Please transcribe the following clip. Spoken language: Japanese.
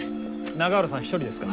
永浦さん一人ですか？